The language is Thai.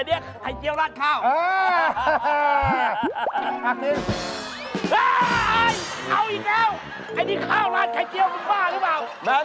รีบกินนะเดี๋ยวเจ๊มาโดนด่า